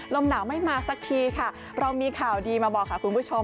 ลมหนาวไม่มาสักทีค่ะเรามีข่าวดีมาบอกค่ะคุณผู้ชม